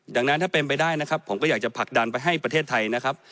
ดังนั้นถ้าเป็นไปได้นะครับผมก็อยากจะผลักดันไปให้ประเทศไทยนะครับ